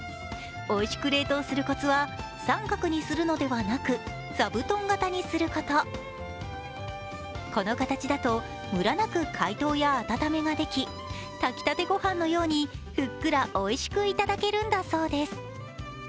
おいしく冷凍するこつは三角にするのではなく座布団形にすること、この形だとむらなく解凍やあたためができ炊きたてご飯のように、ふっくらおいしくいただけるんだそうです。